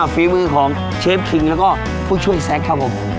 ฝีมือของเชฟคิงแล้วก็ผู้ช่วยแซคครับผม